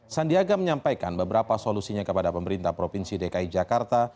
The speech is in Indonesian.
sandiaga menyampaikan beberapa solusinya kepada pemerintah provinsi dki jakarta